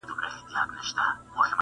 لاړه شه ځه لرې ښاريو کښې اوسه